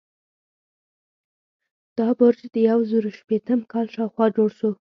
دا برج د یو زرو شپیتم کال شاوخوا جوړ شو.